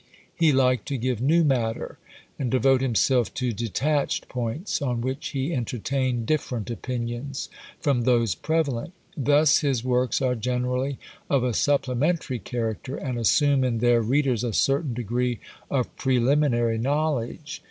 He liked to give new matter, and devote himself to detached points, on which he entertained different opinions from those prevalent. Thus his works are generally of a supplementary character, and assume in their readers a certain degree of preliminary knowledge.